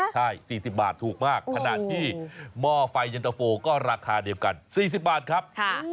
ใช่๔๐บาทถูกมากขณะที่หม้อไฟเย็นตะโฟก็ราคาเดียวกัน๔๐บาทครับ